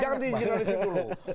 jangan diinjeralisir dulu